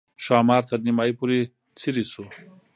ښامار تر نیمایي پورې څېرې شو.